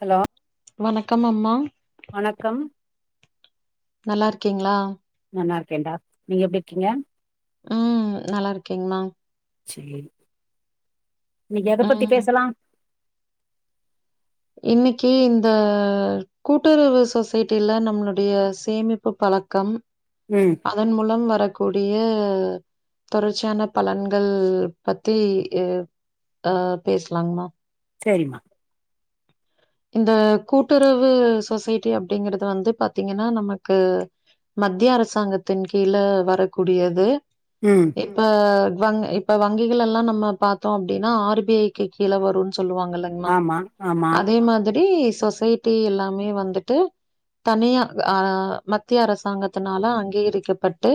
Hello வணக்கம் அம்மா வணக்கம் நல்லார்க்கீங்ளா நல்லார்க்கேன்டா நீங்க எப்டிருக்கீங்க ம் நல்லார்க்கேங்மா சேரி இன்னிக் எதப் பத்தி ம். பேசலா இன்னிக்கி இந்த கூட்டுறவு சொசைட்டில நம்ளுடைய சேமிப்பு பழக்கம் ம் அதன் மூலம் வரக்கூடிய தொடர்ச்சியான பலன்கள் பத்தி அ பேச்லாங்மா சேரிமா இந்த கூட்டுறவு சொசைட்டி அப்டிங்கிறது வந்து பாத்தீங்கனா நமக்கு மத்திய அரசாங்கத்தின் கீழ வரக்கூடியது ம் இப்ப வங் இப்ப வங்கிகள் எல்லா நம்ம பாத்தோ அப்டினா ஆர் பி ஐக்கு கீழ வருன் சொல்லுவாங்கல்ல ஆமா ஆமா தே மாதிரி சொசைட்டி எல்லாமே வந்துட்டு தனியா அ மத்திய அரசாங்கத்துனால அங்கீகரிக்கப்பட்டு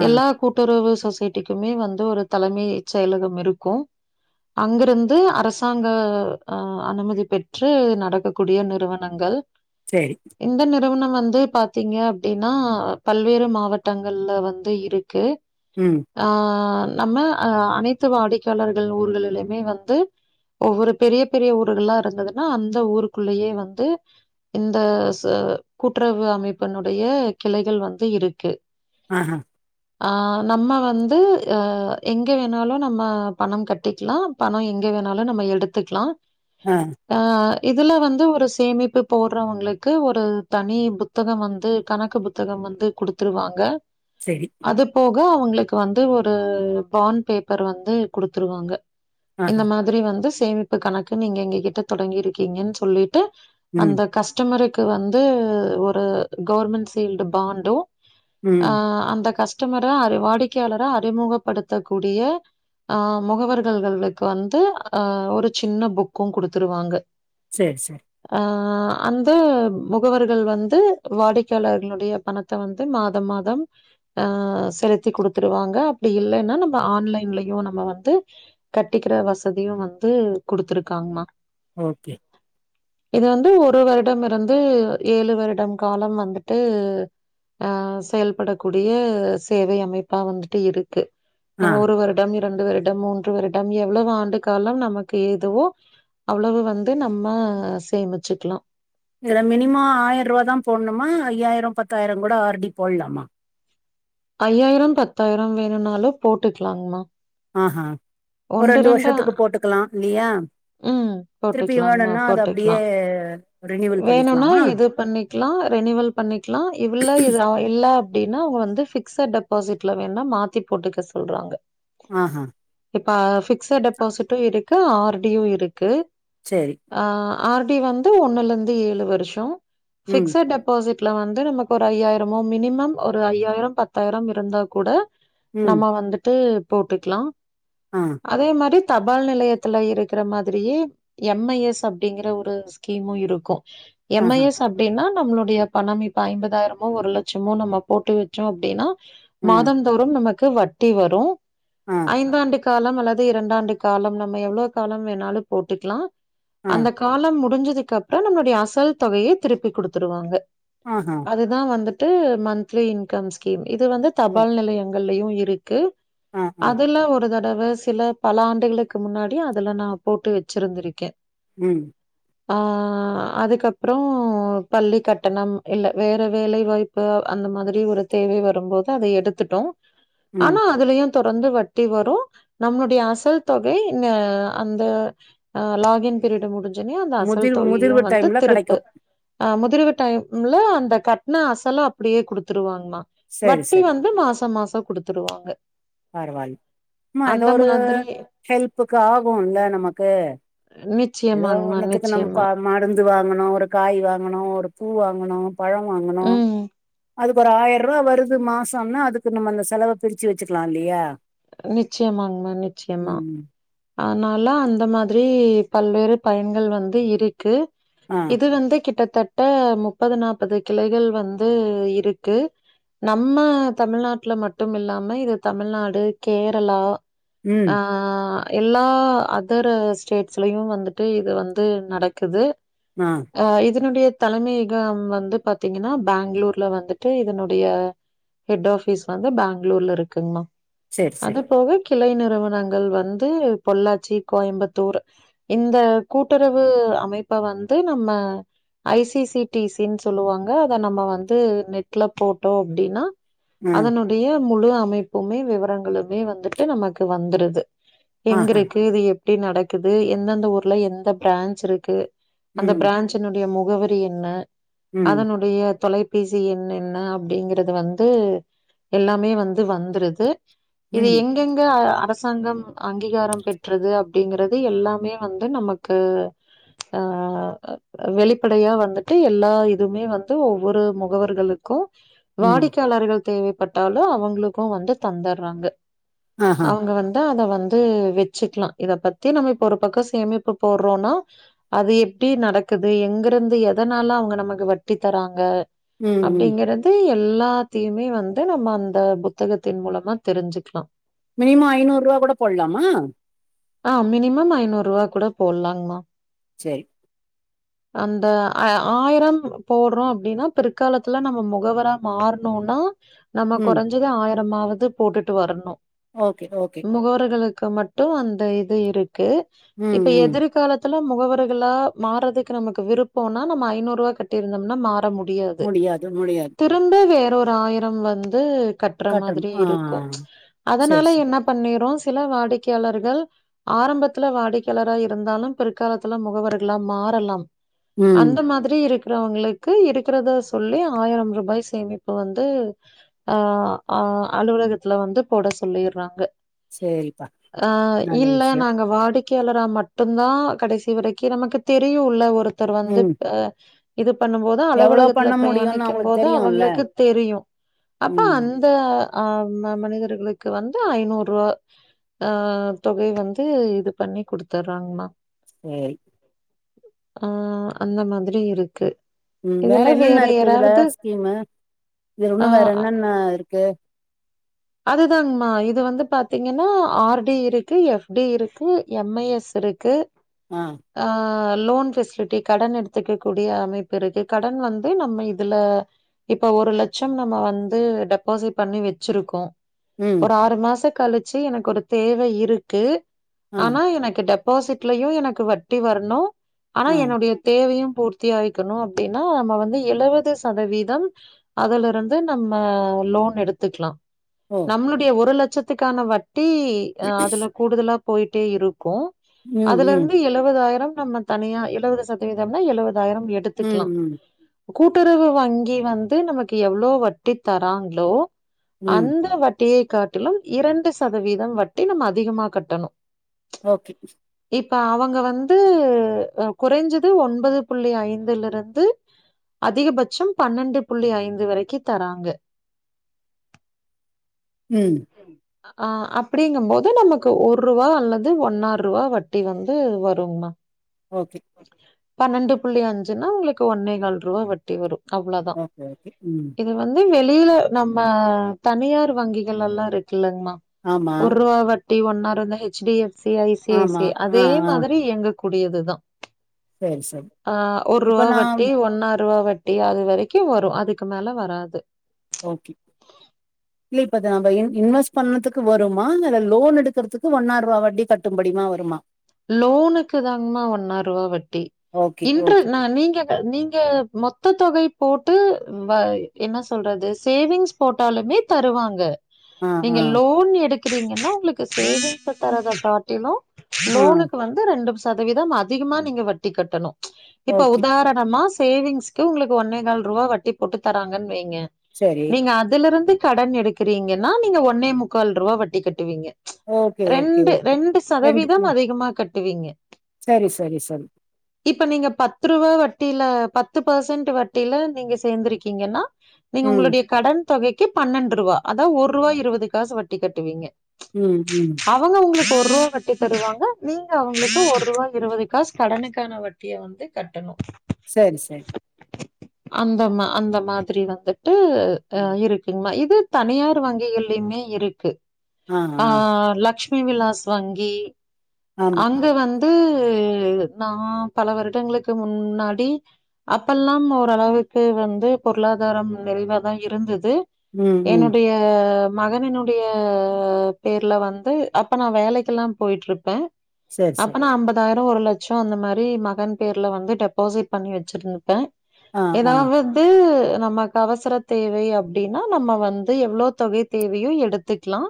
ஆ எல்லாக் கூட்டுறவு சொசைட்டிக்கிமே வந்து ஒருத் தலமை செயலகம் இருக்கு அங்கிருந்து அரசாங்க அ அனுமதி பெற் ற்று நடக்கக்கூடிய நிறுவனங்கள் சேரி இந்த நிறுவனம் வந்து பாத்தீங்க அப்டினா பல்வேறு மாவட்டங்கள்ல வந்து இருக்கு ம் அ நம்ம அ அனைத்து வாடிக்கையாளர்கள் ஊர்களிலுயுமே வந்து ஒவ்வொரு பெரியப் பெரிய ஊர்கல்லா இருந்ததுன்னா அந்த ஊருக்குள்ளியே வந்து இந்தச கூட்டுறவு அமைப்புனுடைய கிளைகள் வந்து இருக்கு ஆஹ அ நம்ம வந்து அ எங்கே வேணாலு நம்ம பணம் கட்டிக்லாம் பணோ எங்க வேணாலு நம்ம எடுத்துக்லா அ அ இதுல வந்து ஒரு சேமிப்பு போர்றவுங்ளுக்கு ஒரு தனி புத் த்தகம் வந்து கணக்கு புத்தகம் வந்து குடுத்துருவாங்க செரி அதுப்போக அவுங்ளுக்கு வந்து ஒரு பாண்ட் பேப்பர் வந்து குடுத்துருவாங்க இந்த ஆஹா மாதிரி வந்து சேமிப்பு கணக்குன் நீங்க எங்ககிட்ட தொடங்கிருக்கீங்கன் சொல்லிட்டு ம் அந்த கஸ்டமருக்கு வந்து ஒரு கவுர்மெண்ட் சீல்டு பாண்டு அ ம் அந்தக் கஸ்டமர அர வாடிக்கையாளரா அறிமுகப்படுத்தக்கூடிய அ முகவர்கள்களுக்கு வந்து அ ஒரு சின்ன புக்குங் குடுத்துருவாங்க சேர் சே அ ஆ அ அந்த முகவர்கள் வந்து வாடிக்கையாளர்களுடைய பணத்த வந்து மாதம் மாதம் அ செலுத்திக் குடுத்துருவாங்க அப்டி இல்லைனா நம்ம ஆன்லைன்லியு நம்ம வந்து கட்டிக்கிற வசதியு வந்து குடுத்துருக்காங்மா ஓகே இது வந்து ஒரு வருடம் இருந்து ஏழு வருடம் காலம் வந்துட்டு ஆஹ் செயல்படக்கூடிய சேவை அமைப்பா வந்துட்டு இருக்கு ஆ நம்ம ஒரு வருடம் இரண்டு வருடம் மூன்று வருடம் எவ்வளவு ஆண்டு காலம் நமக்கு ஏதுவோ அவ்வளவு வந்து நம்ம சேமிச்சுக்கலா இதுல மினிமம் ஆயிரூவா தா போடணுமா இல்ல ஐயாயிரம் பத்தாயிரம் கூட ஆர்டி போட்லாமா ஐயாயிரம் பத்தாயிரம் வேணுனாலு போட்டுக்கலாங்மா ஆ ஹா ஒரு ரெண்டு வருஷத்துக்கு போட்டுக்கலா இல்லையா ம் திருப்பி போட்டுக்கலாங்மா வேணும்னா அது போட்டுக்கலா அப்டியே ரினிவல் வேணும்னா பண்ணிக்கலாமா இது பண்ணி லா ரெனிவல் பண்ணிக்கலா இவ்ள இது இல்ல அப்டின்னா அவங்க வந்து ஃபிக்ஸ் அண்ட் டப் டப்பாசிட்ல வேணா மாத்தி போட்டுக்க சொல்றாங்க ஆஹா இப்ப ஃபிக்செட் டெபாசிட்டு இருக்கு ஆர்டியு இருக்கு சேரி ஆர்டி வந்து ஒன்னுலருந்து ஏழு வருஷோ ம் ஃபிக்செட் டெப் டபோசிட்ல வந்து நமக்கு ஒரு ஐயாயிரமோ மினிமம் ஒரு ஐயாயிரம் பத்தாயிரம் இருந்தா கூட ம் நம்ம வந்துட்டு போட்டுக்லா ஆஹ் அதே மாரி தபால் நிலையத்துல இருக்குற மாதிரியே எம் ஐ எஸ் அப்படிங்குற ஒரு ஸ்கீமு இருக்கு ஆஹா எம்ஐஎஸ் அப் அப்டின்னா நம்மளுடைய பணம் இப்ப ஐம்பதாயிரமோ ஒரு லட்சமோ நம்ம போட்டு வச்சோ அப்டின்னா ஆ மாதம் தோறும் நமக்கு வட்டி வரு அஹ் ஐந்தாண்டு காலம் அல்லது இரண்டாண்டு காலம் நம்ம எவ்ளவு காலம் வேணாலு போட்டுக்கலா ஆ அந்த காலம் முடிஞ்சதுக்கு அப்றோ நம்மளுடைய அசல் தொகைய திருப்பி கொடுத்துருவாங்க ஆஹ்ஹா அதுதா வந்துட்டு மந்திலி இன்கம் ஸ்கீம் இது வந்து தபால் ஓகே நிலையங்கங்களையு இருக்கு ஆ ஆ அதுல்லா ஒரு தட பலசில பல ஆண்டுகளுக்கு முன்னாடி அதுல நா போட்டு வச்சிருந்திருக்கே ம் ஆஹ் அதுக்கப்புறோ பள்ளி கட்டணம் இல்ல வேற வேலைவாய்ப்பு அந்த மாதிரி ஒரு தேவை வரும்போது அத எடுத்துட்டோ ம் ஆனா அதுலயு தொடர்ந்து வட்டி வரு நம்மளுடைய அசல் தொகை இந்த அந்த அஹ் லாகின் பீரியடு முடிஞ்சுன்னயு அந்த அசல் முதிர்வு முதிர்வு தொகையுவந்து டைம்ல கெடைக்கு திருப்பு அஹ் முதிர்வு டைம்ல அந்த கட்ன அசலஅப்டியே கொடுத்துருவாங்களா சரி வட்டி சரி வந்து மாசம் மாசம் கொடுத்துருவாங்க பரவாயில்ல ஆமா எதோ ஒரு மாதிரி ஹெல்ப்புக்கு ஆகுல்ல நமக்கு ஏதோ நிச்சயமாங்கம்மா, ஒன்னுத்துக்கு நம்ம நிச்சயமா. பாத்து மருந்து வாங்கனு ஒரு காய் வாங்கணு ஒரு பூ வாங்கனு பழம் வாங்கனு ம். அதுக்கு ஒரு ஆயிர்ரூவா வருது மாசோனா அதுக்கு நம்ம அந்த செலவ பிரிச்சு வச்சுக்கலா இல்லையா நிச்சயமாங்கா நிச்சயமா ம் அதனால அந்த மாதிரி பல்வேறு பயன்கள் வந்து இருக்கு அஹ் இது வந்து கிட்டத்தட்ட முப்பது நாப்பது கிளைகள் வந்து இருக்கு நம்ம தமிழ்நாட்ல மட்டும் இல்லாம இது தமிழ்நாடு கேரளா அ ம் எல்லா அதரு ஸ்டேட்ஸ்லையு வந்துட்டு இது வந்து நடக்குது அ அ இதனுடைய தலைமையகம் வந்து பாத்தீங்கன்னா பேங்ளூர்ல வந்துட்டு இதனுடைய ஹெட் ஆஃபீஸ் வந்து பேங்ளூர்ல இருக்குங்மா சரி அது சரி போக கிளை நிறுவனங்கள் வந்து பொள்ளாச்சி கோயம்புத்தூர் இந்த கூட்டுறவு அமைப்ப வந்து நம்ம ஐசிசிடிசனு சொல்லுவாங்க அத நம்ம வந்து நெட்ல போட்டோ அப்டீன்னா ஆ அதனுடைய முழு அமைப்புமே விவரங்களுமே வந்துட்டு நமக்கு வந்துருது எங்க ஆஹா ருக்கு இது எப்படி நடக்குது எந்தெந்த ஊர்ல எந்த பிரான்ச் இருக்கு அந்த ம் பிராஜ்ஜினுடைய முகவரி என்ன ம் அதனுடைய தொலை பிசிஎண் என்ன அப்டிங்கறது வந்து எல்லாமே வந்து வந்ருது இது என் ம் எங்கங்க அரசாங்கம் அங்கீகாரம் பெற்றது அப்டிங்கிறது எல்லாமே வந்து நமக்கு ஆ வெளிப்படையா வந்துட்டு எல்லா இதுமே வந்து ஒவ்வொரு முகவர்களுக் க்கு ம் வாடிக்கையாளர்கள் தேவைப்பட்டாலு அவங்களுக்கு வந்து தந்துறாங்க ஆஹா அவங்க வந்து அது வந்து வச்சுக்லா இத பத்தி நம்ம இப்ப ஒரு பக்கொ சேமிப்பு போட்றோன்னா அது எப்டி நடக்குது எங்க ருந்து எதனால அவங்க நமக்கு வட்டி தறாங்க ம் ம் அப்டிங்கறது எல்லாத்தையுமே வந்து நம்ம அந்த புத்தகத்தின் மூலமா தெரிஞ்சுக் க்ளா மினிமொ ஐநூ ரூவா கூட போட்லாமா அ மினிமம் ஐநூருவா கூட போட்லாங்மா சேரி அந்த ஆ ஆய்ரம் போட்ரோ அப்டின்னா பிற்காலத்துல நம்ம முகவரா மாறனுனா நம்ம ம் கொறஞ்சது ஆயிரமாவது போட்டுட்டு வரனு ஓகே ஓகே முகவர்களுக்கு மட் டு அந்த இது இருக்கு ம் இப்ப ம் எதிர்காலத் குல முகவர்களா மாற்றதுக்கு நமக்கு விருப்பொனா நம்ம ஐநூறுவா கட்டிருந்தொம்னா மாறு முடியாது திரும்ப வேற ஒரு ஆயிரம் வந்து கட்ட மாதிரி கட்டணும் ஆ இருக்கு சரி அதனால சரி என்ன பண்ணிரோ சில வாடிக்கையாளர்கள் ஆரம்பத்துல வாடிக்கையாளரா இருந்தாலு பிற்காலத்துல முகவர்களா மாறலாம் ம் அந்த மாதிரி இருக் இருக்கிறவங்களுக்கு இருக்கிறத சொல்லி ஆயிரம் ரூபாய் சேமிப்பு வந்து ஆ ஆ அலுவலகத்துல வந்து போட சொல்லிற்றாங்க சேரிப்பா நல்ல விஷ்யோ அங்க வாடிக்கையாளரா மட்டுந்தா கடைசி வரைக்கு நமக்கு தெரியுல்ல ஒரு ஒருத்தர் வந்து ம் ப்ப இது பண்ணும் போது எவ்வளோ அலுவலகத்துல பண்ண முடியும்னு பிரயாணிக்கும் அவங்களுக்கு போது தெரியும்ல அவங்களுக்கு தெரியு அப்ப அ ம் இந்த அ மனிதர்களுக்கு வந்து ஐநூறு ஆ தொகை வந்து இது பண்ணி குடுத்துர்றாங்மா சேரி ஆ அந்த மாதிரி இருக்கு ம் வேற இதுல என்னென்ன ருக்கு இதுல யாராவது ஸ்கீமு இதுல ஆ, இன்னு வேற என்னென்ன இருக்கு அதுதாங்மா இது வந்து பாத்தீங்கன்னா ஆர் டி இருக்கு எப் டி இருக்கு எம்ஐஎஸ் இருக் கே ஆ ஆ லோன் பெசிலிட்டி கடன் எடுத்துக்க கூடிய அமைப்பு இருக்கு கடன் வந்து நம்ம இதுல இப்போ ஒரு லட்சோம் நம்ம வந்து டெபாசிட் பண்ணி வச்சிருக்கோ ம் ஒரு ஆறு மாசோ கழிச்சு எனக்கு ஒரு தேவ இருக்கு ஆ ஆனா எனக்கு டெ பாசிட்லயு எனக்கு வட்டி வரணு ஆனா ஆ என்னுடைய தேவையு பூர்த்தி ஆயிக்கணு அப்டின்னா நம்ம வந்து எழுவது சதவீதம் அதுலருந்து நம்ம லோன் எடுத்துக்லா ஓ நம்மளுடைய ஒரு லட்சத்துக்கான வட்டி அ அதுல கூடுதலா போயிட்டே இருக்கு ம் ம் அதுலருந்து எழுவதாயிரம் நம்ம தனியா எழுவது சதவீதம்னா எழுவதாயிரம் எடு ம் எடுத்துக்கலா ம் கூட்டுறவு வங்கி வந்து நமக்கு எவ்ளோ வட்டி தராங்களோ ம் அந்த வட்டியை காட்டிலும் இரண்டு சதவீதம் வட்டி நம்ம அதிகமா கட்டணு ஓகே இப்ப அவங்க வந்து அ குறைஞ்சது ஒன்பது புள்ளி ஐந்துலருந்து அதிகபட்சம் பன்னெண்டு புள்ளி ஐந்து வரைக்கு தராங்க ம் அ அப்டிங்கம்போது நமக்கு ஒரூவா அல்லது ஒன்னாரூவா வட்டி வந்து வருங்மா ஓகே பன்னெண்டு புள்ளி அஞ்சுன்னா உங்களுக்கு ஒன்னே கால் ரூவா வட் டி வரு அவ்வளோதா ஓகே ஓகே டி ம் இது வந்து வெளில நம்ம தனியார் வங்கிகள் எல்லா இருக்குல்லங்மா ஆமா ஒரூவா வட்டி ஒன்னாரு இந்த H D F C I C I ஆமா சி ஆ அதே ஆ மாதிரி எங்க கூடியதுதா சரி சரி ஆ ஒரூவா இப்போ நான் வட்டி ஒன்னாரூவா வட் டி அது வரைக்கு வரு அதுக்கு மேல வராது ஓகே இல்ல இப்ப அத நம்ப இன் இன்வெஸ் பண்ணதுக்கு வருமா இல்ல லோன் எடுக்கறதுக்கு ஒன்னாரூவா வட்டி கட்டும்படிமா வருமா லோனுக்கு தாங்மா ஒன்னாரூவா வட்டி ஓகே, இன்ட்ர ஓகே. நா நீங்க நீங்க மொத்த தொகை போட்டு வ என்ன சொல்றது சேவிங்ஸ் போட்டாலுமே தருவாங்க ஆ, நீங்க ஆ, லோன் எடுக்குறீங்கன்னா உங்களுக்கு சேவிங்ஸ் தராத காட்டிலு ஆ. லோனுக்கு வந்து ரெண்டு சதவீதம் அதிகமா நீங்க வட்டி கட்டணு இப்ப ஓகே. உதார ணமா சேவிங்ஸ்க்கு உங்களுக்கு ஒன்னே கால் ரூவா வட்டி போட்டு தராங்கன் வைங்க சரி. நீங்க அதுலருந்து கடன் எடுக்குறீங்கன்னா நீங்க ஒன்னே முக்கால் ரூவா வட்டி கட்டுவீங்க ஓகே, ஓகே, ரெண்டு ஓகே. ரெண்டு சதவீதம் ம். அதிகமா கட்டுவீங்க சரி சரி சரி இப்ப நீங்க பத்து ரூவா வட்டியில பத்து பர்சன்ட் வட்டியில நீங்க சேர்ந்திருக்கீங்கன்னா நீங்க ம், உங்களுடைய கடன் தொகைக்கு பன்னெண்டு ரூவா அதா ஒரூவா இருவது காசு வட்டி கட்டுவீங்க ம் ம் அவங்க உங்களுக்கு ஒரூவா வட்டி தருவாங்க நீங்க அவங்களுக்கு ஒரூவா இருவது காசு கடனுக்கான வட்டிய வந்து கட்டணு சரி சரி அந்த மா அந்த மாதிரி வந்துட்டு அ ம். இருக் கிங்மா இது தனியார் வங்கிகள்லையுமே இருக்கு ஆ லக்ஷ் மி விலாஸ் வங்கி ஆமா. அங்க வந்து நா பல வருடங்களுக்கு முன்னாடி அப்பல்லாம் ஓரளவுக்கு வந்து பொருளாதாரம் நிறைவா தா இருந்தது ம், ம். என்னுடைய ஆ மகனின்னுடைய பேர்ல வந்து அப்ப நா வேலைக்கெல்லா போய்ட்ருப்பே சரி, அப்ப சரி. நா அம்ப தாய்ரோ ஒரு லட்சோ அந்த மாரி மகன் பேர்ல வந்து டெபாசிட் பண்ணி வச்சிருன்ப்பே ஆ, ஆ, எதாவத் நமக்கு அவசர தேவை அப்டின்னா நம்ம வந்து எவ்ளோ தொகை தேவையோ எடுத்துக்லா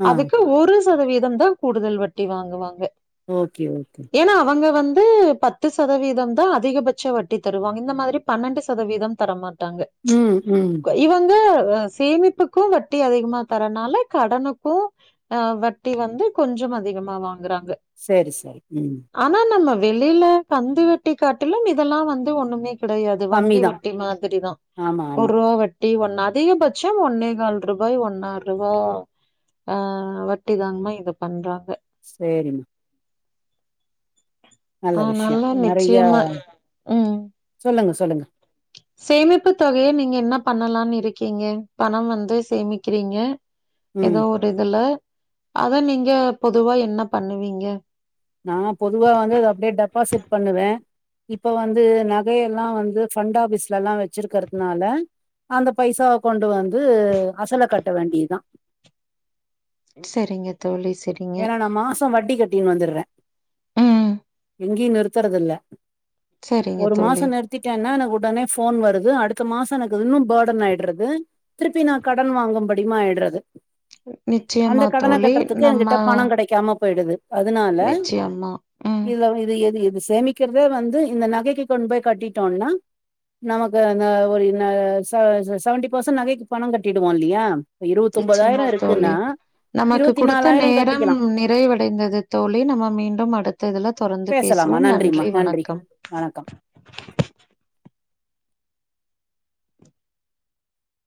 ஆ. அதுக்கு ஒரு சதவீதம் தா கூடுதல் வட்டி வாங்குவாங்க ஓகே ஓகே ஏனா அவங்க வந்து பத்து சதவீதம் தா அதிகபட்ச வட்டி தருவாங்க இந்த மாத்ரி பன்னெண்டு சதவீதம் தரமாட்டாங்க ம் ம் இவங்க சேமிப்புக்கு வட்டி அதிகமா தரனால கடனுக்கு ஆ வட்டி வந்து கொஞ்சம் அதிகமா வாங்குறாங்க சேரி சேரி ம் ஆனா நம்ம வெளில கந்து வட்டி காட்டிலும் இதெல்லா வந்து ஒண்ணுமே கிடையாது கம்மி வங்கி தான். வட்டி மாதிரிதா ஆமா, ஆமா. ஒரூவா வ ட்டி ஒன் அதிகபட்சம் ஒன்னேகால் ரூபாய் ஒன்னாறுவா ஆ வட்டி வாங்னா இது பண்றாங்க சேரிம்மா நல்ல விஷ்யோ அதனால நறையா நிச்சயமா ம். சொல்லுங்க சொல்லுங்க சேமிப்பு தொகைய நீங்க என்ன பண்ணலான் இருக்கிங்க பணம் வந்து சேமிக்கிறிங்க ம். எதோ ஒரு இதுல அத நீங்க பொதுவா என்ன பண்ணுவீங்க நா பொதுவா வந்து அத அப்டே டெபாசிட் பண்ணுவே இப்ப வந்து நகையெல்லா வந்து ஃபண்ட் ஆஃபிஸ்லலா வச்சிருக்கற்துனால அந்த பைசாவ கொண்டு வந்து அசல கட்ட வேண்டிதா செரிங்க தோழி செர் ஏனா நா மாசோ வட்டி கட்டின் வந்துறே ம் எங்கி நிறுத்தறதில்ல‌ சரிங்க ஒரு மாசோ தோழி. நிறு த்திட்டேனா எனக்கு உடனே ஃபோன் வருது அடுத்த மாசோ எனக்கிது இன்னு பேடன் ஆயிட்றது திருப்பி நா கடன் வாங்கும்படிமா ஆயட்றது நிச்சயமா தோழி நம்ம என்கிட்ட பணோ கெடைக்காம போய்டுது அதுனால நிச்சயமா. ம். இத இது எது எதுசேமி க்கற்தே வந்து இந்த நகைக்கு கொண்ட்போய் கட்டிடோனா நமக்கு னா ஒரு நா செ செவண்டி பெர்சன்ட் நகைக்கு பணோ கட்டிடுவோ‌ இல்லயா ப்ப நிச்சயமா இருவத்தொம்பதாய்ரோ இருக்குன்னா தோழி. நமக்கு இருவத்தி குடுத்த நாலாய்ரோ நேரம் நிறைவடைந்தது தோழி நம்ம மீண்டும் அடுத்த‌ இதுல தொடர்ந்து பேசலாமா பேசுறோம் நன்றிமா நன்றி வணக்கம் வணக்கம்